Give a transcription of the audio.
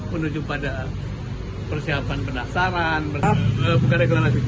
menuju pada persiapan penasaran bukan deklarasi